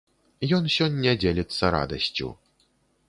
Ён сёння дзеліцца радасцю.